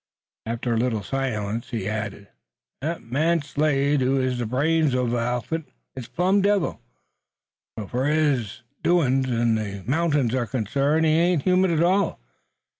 After a little silence he added: "That man Slade, who is the brains uv the outfit, is plum' devil. So fur ez his doin's in these mountings are concerned he ain't human at all.